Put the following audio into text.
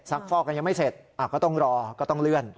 ฟอกกันยังไม่เสร็จก็ต้องรอก็ต้องเลื่อน